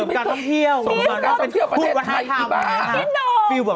ฟิลด์แบบทุกท่าทางไปเผยแพร่กวัดเทศกาลต่างอะไรอย่างนี้